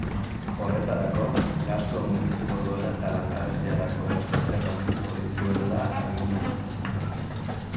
Horretarako, gastua murriztuko duela eta langabeziarako prestazioak handituko dituela agindu du.